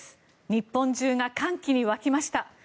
日本中が歓喜に沸きました。